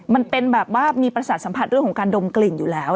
มันเป็นแบบว่ามีประสาทสัมผัสเรื่องของการดมกลิ่นอยู่แล้ว